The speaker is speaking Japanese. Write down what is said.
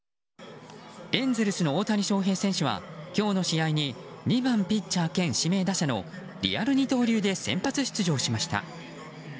エンゼルスの大谷翔平選手は今日の試合に２番ピッチャー兼指名打者のリアル二刀流で先発出場しました。